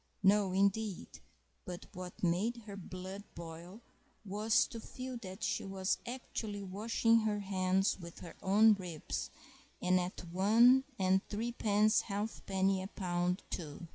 No, indeed! But what made her blood boil was to feel that she was actually washing her hands with her own ribs—and at one and threepence halfpenny a pound, too!